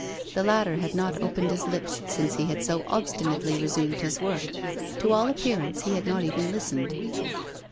The latter had not opened his lips since he had so obstinately resumed his work. To all appearance he had not even listened.